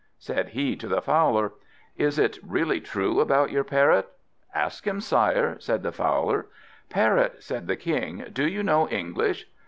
Said he to the Fowler "Is it really true about your Parrot?" "Ask him, sire," said the Fowler. "Parrot," said the King, "do you know English?"